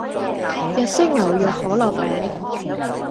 日式牛肉可樂餅